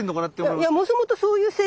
いやもともとそういう性質。